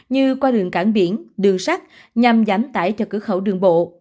như qua rừng cảng biển đường sắt nhằm giảm tải cho cửa khẩu đường bộ